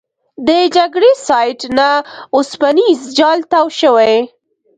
د جګړې سایټ نه اوسپنیز جال تاو شوی.